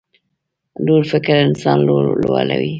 لوړ فکر انسان لوړوي.